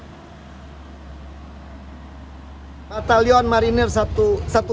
pertama pencarian dari rumah penduduk yang belum dikeluarkan dari rumpur